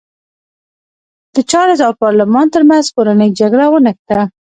د چارلېز او پارلمان ترمنځ کورنۍ جګړه ونښته.